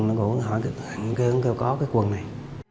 họ hỏi kêu có cái quần này